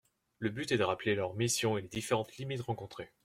Le but est de rappeler leurs missions et les différentes limites rencontrées.